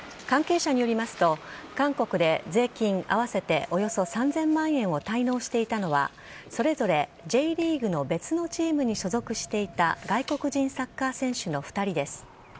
関係者によりますと韓国で税金合わせておよそ３０００万円を滞納していたのはそれぞれＪリーグの別のチームに所属していた外国人サッカー選手の２人です。